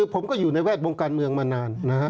ผมก็อยู่ในแวดวงการเมืองมานานนะฮะ